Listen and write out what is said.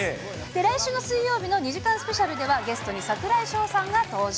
来週の水曜日の２時間スペシャルでは、ゲストに櫻井翔さんが登場。